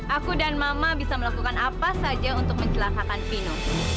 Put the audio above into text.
aku dan mama bisa melakukan apa saja untuk mencelakakan fino